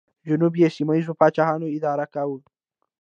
جنوب یې سیمه ییزو پاچاهانو اداره کاوه